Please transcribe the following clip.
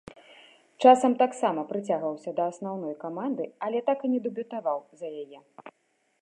Часам таксама прыцягваўся да асноўнай каманды, але так і не дэбютаваў за яе.